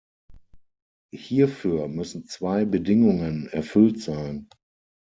Hierfür müssen zwei Bedingungen erfüllt sein.